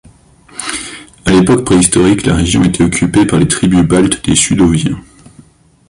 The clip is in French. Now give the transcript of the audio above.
À l’époque préhistorique, la région était occupée par les tribus baltes des Sudoviens.